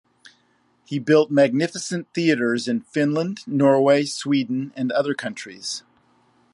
He built magnificent theatres in Finland, Norway, Sweden, and other countries.